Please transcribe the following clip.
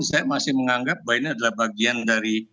saya masih menganggap bahwa ini adalah bagian dari